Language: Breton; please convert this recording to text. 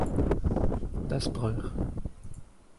da'z preur.